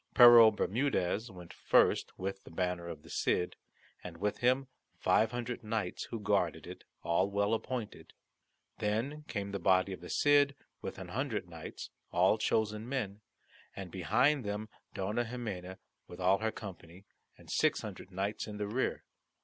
Pero Bermudez went first with the banner of the Cid, and with him five hundred knights who guarded it, all well appointed. Then came the body of the Cid with an hundred knights, all chosen men, and behind them Dona Ximena with all her company, and six hundred knights in the rear.